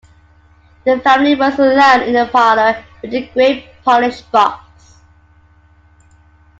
The family was alone in the parlour with the great polished box.